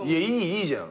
いいじゃん。